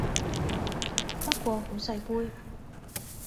不過好細杯